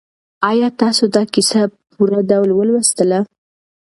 آیا تاسو دا کیسه په پوره ډول ولوستله؟